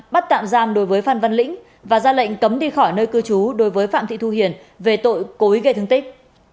bắt tạm giam đối với phan văn lĩnh và ra lệnh cấm đi khỏi nơi cư trú đối với phạm thị thu hiền về tội cối gây thương tích